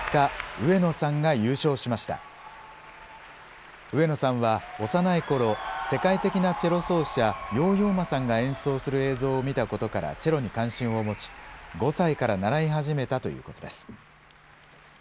上野さんは幼いころ、世界的なチェロ奏者、ヨーヨー・マさんが演奏する映像を見たことから、チェロに関心を持ち、５歳から習い始めたということです。